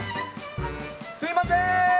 すみません。